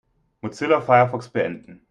Mozilla Firefox beenden.